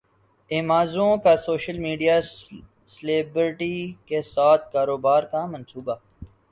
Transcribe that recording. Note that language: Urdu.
ایمازون کا سوشل میڈیا سلیبرٹی کے ساتھ کاروبار کا منصوبہ